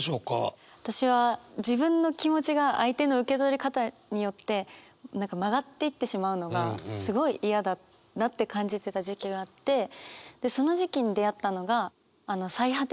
私は自分の気持ちが相手の受け取り方によって何か曲がっていってしまうのがすごい嫌だなって感じてた時期があってその時期に出会ったのが最果